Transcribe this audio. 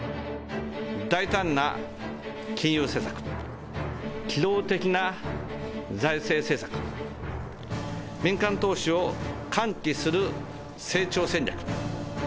大胆な金融政策、機動的な財政政策、民間投資を喚起する成長戦略。